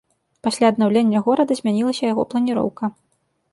Пасля аднаўлення горада змянілася яго планіроўка.